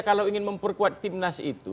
kalau ingin memperkuat timnas itu